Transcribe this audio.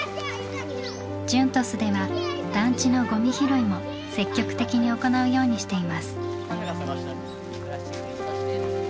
ＪＵＮＴＯＳでは団地のゴミ拾いも積極的に行うようにしています。